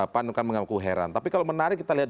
pak nukan mengaku heran tapi kalau menarik kita lihat